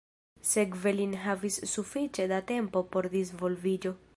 Sekve li ne havis sufiĉe da tempo por disvolviĝo.